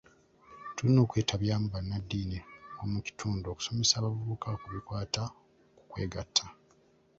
Tulina okwetabyamu bannadddiini b'omu kitundu okusomesa abavubuka ku bikwata ku kwegatta.